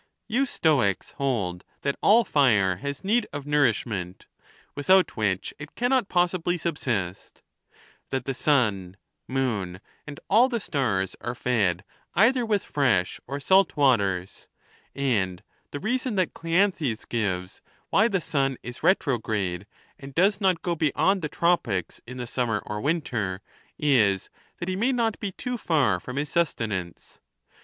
You Stoics hold that all fire has need of nourishment, without which it cannot possibly subsist; that the sun, moon, and all the stars are fed either with fresh or salt waters; and the reason that Cleanthes gives why the sun is retrograde, and does not go beyond the tropics in the summer or winter, is that he may not be too far from his sustenance.